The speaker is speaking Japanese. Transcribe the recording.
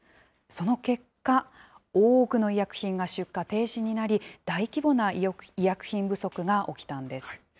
その結果、多くの医薬品が出荷停止になり、大規模な医薬品不足が起きたんです。